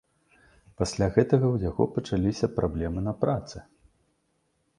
Пасля гэтага ў яго пачаліся праблемы на працы.